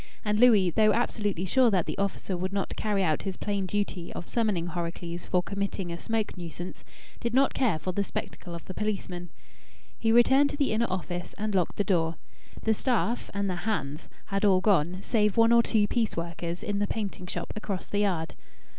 And Louis, though absolutely sure that the officer would not carry out his plain duty of summoning Horrocleave's for committing a smoke nuisance, did not care for the spectacle of the policeman. He returned to the inner office, and locked the door. The "staff" and the "hands" had all gone, save one or two piece workers in the painting shop across the yard.